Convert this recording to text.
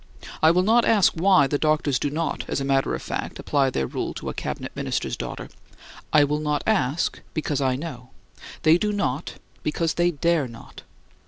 I will not ask why the doctors do not, as a matter of fact apply their rule to a Cabinet Minister's daughter. I will not ask, because I know. They do not because they dare not.